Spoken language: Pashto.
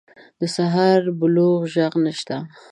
د سهار د بلوغ ږغ نشته